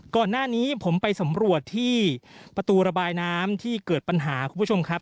ก่อนหน้านี้ผมไปสำรวจที่ประตูระบายน้ำที่เกิดปัญหาคุณผู้ชมครับ